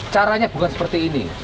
caranya bukan seperti ini